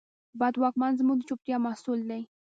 بد واکمن زموږ د چوپتیا محصول دی.